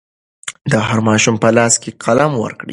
د هر ماشوم په لاس کې قلم ورکړئ.